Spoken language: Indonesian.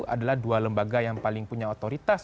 adalah dua lembaga yang paling punya otoritas